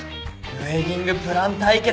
ウエディングプラン対決が。